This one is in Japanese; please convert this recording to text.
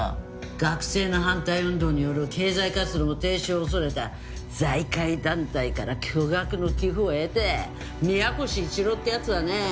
学生の反対運動による経済活動の停止を恐れた財界団体から巨額の寄付を得て宮越一郎って奴はね